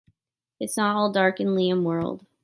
It's not all dark in Liam World.